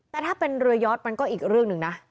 แต่ถ้าเป็นเรือยอดมันก็อีกเรื่องหนึ่งนะ